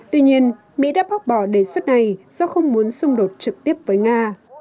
tuy nhiên mỹ đã bác bỏ đề xuất này do không muốn xung đột trực tiếp với nga